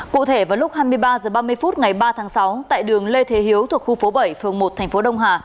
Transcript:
cụ thể vào lúc hai mươi ba h ba mươi phút ngày ba tháng sáu tại đường lê thế hiếu thuộc khu phố bảy phường một thành phố đông hà